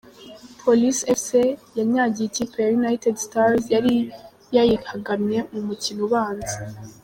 Police Fc yanyagiye ikipe ya United Stars yari yayihagamye mu mukino ubanza.